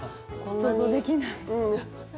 想像できない。